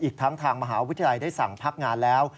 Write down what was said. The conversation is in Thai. อีกทั้งทางมหาวิทยาลัยได้สั่งพักงานแล้ว